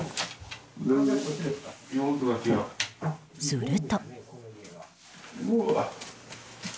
すると。